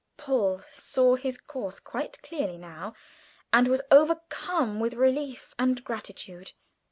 Paul saw his course quite clearly now, and was overcome with relief and gratitude.